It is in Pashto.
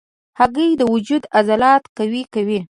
هګۍ د وجود عضلات قوي کوي.